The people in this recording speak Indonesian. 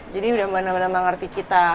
jadi udah bener bener mengerti kita